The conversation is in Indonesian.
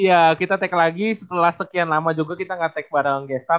iya kita tag lagi setelah sekian lama juga kita gak tag bareng gestar